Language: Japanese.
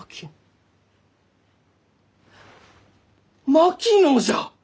槙野じゃ！